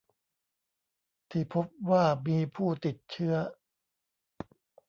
ที่พบว่ามีผู้ติดเชื้อ